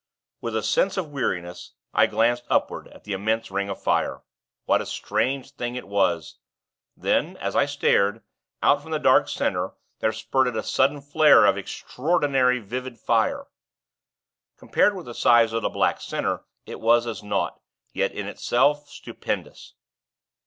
With a sense of weariness, I glanced upward at the immense ring of fire. What a strange thing it was! Then, as I stared, out from the dark center, there spurted a sudden flare of extraordinary vivid fire. Compared with the size of the black center, it was as naught; yet, in itself, stupendous.